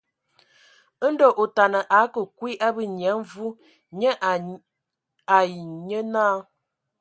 Ndɔ otana a ake kwi ábe Nyia Mvi nye ai nye náa.